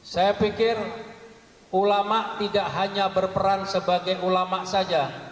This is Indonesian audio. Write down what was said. saya pikir ulama tidak hanya berperan sebagai ulama saja